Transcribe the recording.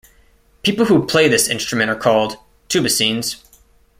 People who play this instrument are called "tubicines".